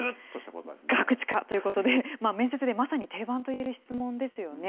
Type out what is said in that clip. ガクチカということで、面接でまさに定番といえる質問ですよね。